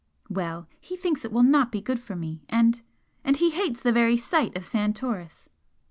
"Well, he thinks it will not be good for me and and he hates the very sight of Santoris!"